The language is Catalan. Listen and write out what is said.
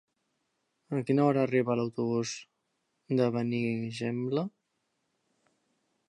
A quina hora arriba l'autobús de Benigembla?